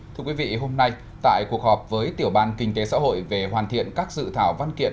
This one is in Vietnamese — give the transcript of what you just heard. thưa quý vị hôm nay tại cuộc họp với tiểu ban kinh tế xã hội về hoàn thiện các dự thảo văn kiện